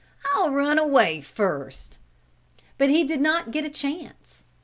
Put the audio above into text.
I'll run away first." But he did not get a chance.